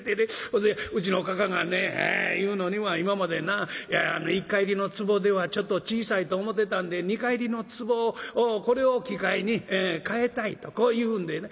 ほんでうちのかかあがね言うのには『今までな一荷入りのつぼではちょっと小さいと思うてたんで二荷入りのつぼをこれを機会に替えたい』とこう言うんでね